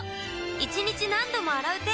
一日何度も洗う手